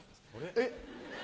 えっ。